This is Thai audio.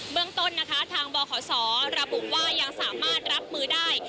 เรื่องต้นนะคะทางบขศระบุว่ายังสามารถรับมือได้